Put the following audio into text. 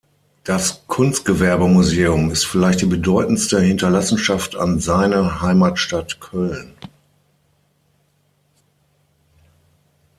Das Kunstgewerbemuseum ist vielleicht die bedeutendste Hinterlassenschaft an „seine“ Heimatstadt Köln.